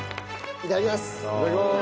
いただきます！